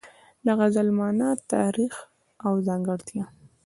د غزل مانا، تاریخ او ځانګړتیا